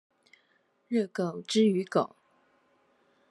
熱狗之於狗